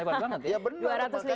hebat banget ya